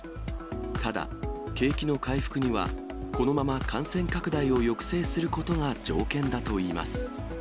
ただ、景気の回復には、このまま感染拡大を抑制することが条件だといいます。